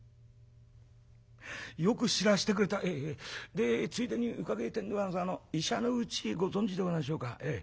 「でついでに伺いてえんでござんすが医者のうちご存じでござんしょうか？